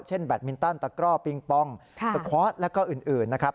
แบตมินตันตะกร่อปิงปองสคอร์สแล้วก็อื่นนะครับ